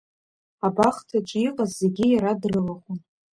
Абахҭаҿы иҟаз зегьы иара дрылахәын.